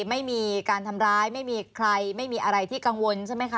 ไม่มีการทำร้ายไม่มีใครไม่มีอะไรที่กังวลใช่ไหมคะ